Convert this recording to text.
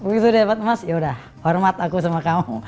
waktu itu udah dapat emas yaudah hormat aku sama kamu